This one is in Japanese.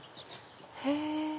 へぇ。